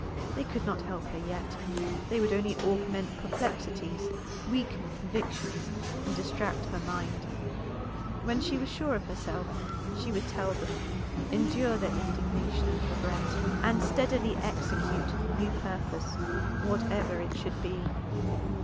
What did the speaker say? They could not help her yet; they would only augment perplexities, weaken convictions, and distract her mind. When she was sure of herself she would tell them, endure their indignation and regret, and steadily execute the new purpose, whatever it should be.